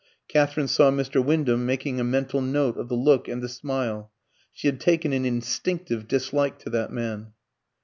Katherine saw Mr. Wyndham making a mental note of the look and the smile. She had taken an instinctive dislike to that man.